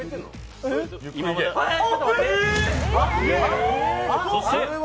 えっ！